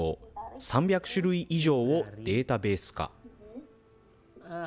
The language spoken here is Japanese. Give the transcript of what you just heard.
３００種類以上をデータベース化。